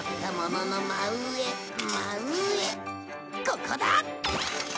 ここだ！